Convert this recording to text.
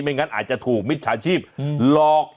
งั้นอาจจะถูกมิจฉาชีพหลอก